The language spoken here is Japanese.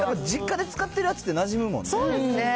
実家で使ってるやつって、なじむもんね。